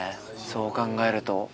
そう考えると。